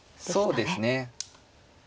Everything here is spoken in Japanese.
そうですね。